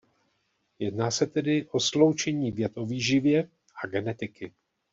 Jedná se tedy o sloučení věd o výživě a genetiky.